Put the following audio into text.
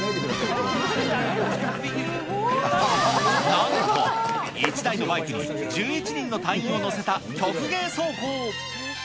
なんと１台のバイクに１１人の隊員を乗せた曲芸走行。